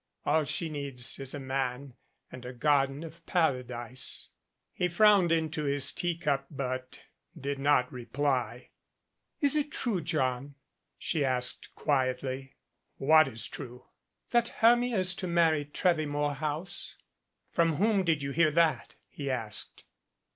All she needs is a man and a Garden of Para dise." He frowned into his teacup but did not reply. "It is true, John?" she asked quietly. "What is true?" "That Hermia is to marry Trevvy Morehouse?" "From whom did you hear that?" he asked.